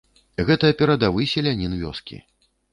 Гэта перадавы селянін вёскі.